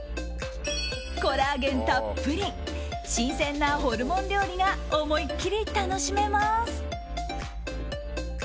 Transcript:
コラーゲンたっぷり新鮮なホルモン料理が思いっきり楽しめます！